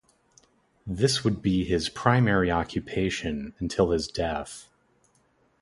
This would be his primary occupation until his death.